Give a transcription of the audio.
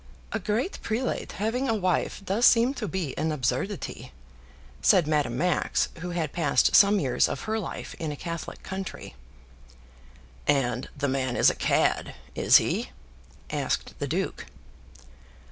"A great prelate having a wife does seem to be an absurdity," said Madame Max, who had passed some years of her life in a Catholic country. "And the man is a cad; is he?" asked the duke.